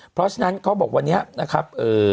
เพราะฉะนั้นเขาบอกวันนี้นะครับ